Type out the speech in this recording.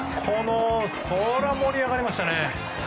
それは盛り上がりましたね。